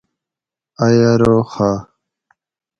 ائ ارو خہ